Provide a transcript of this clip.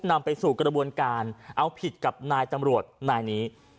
นำไปสู่กระบวนการเอาผิดกับนายตำรวจนายนี้